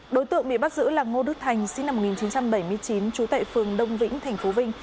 đối tượng bị bắt giữ là ngô đức thành sinh năm một nghìn chín trăm bảy mươi chín trú tại phường đông vĩnh tp vinh